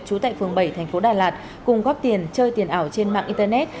trú tại phường bảy thành phố đà lạt cùng góp tiền chơi tiền ảo trên mạng internet